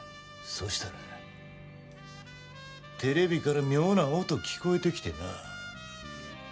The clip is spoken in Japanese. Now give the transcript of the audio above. そしたらテレビから妙な音聞こえて来てなぁ。